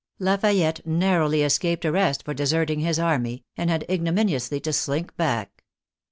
Lafayette narrowly escaped arrest for de serting his army, and had ignominiously to slink back.